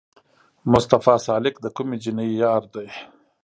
مصطفی سالک د کومې جینۍ یار دی؟